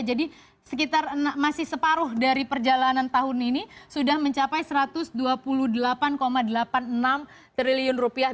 jadi sekitar masih separuh dari perjalanan tahun ini sudah mencapai satu ratus dua puluh delapan delapan puluh enam triliun rupiah